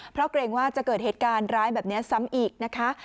เพราะเกรงว่าจะเกิดเหตุการณ์ร้ายแบบนี้ซ้ำอีกนะคะ